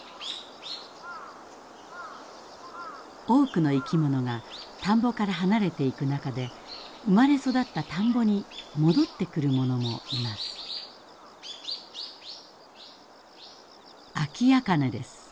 多くの生き物が田んぼから離れていく中で生まれ育った田んぼに戻ってくるものもいます。